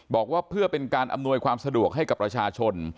บอกว่าเพื่อเป็นการอำนวยความสะดวกให้กับประชาชน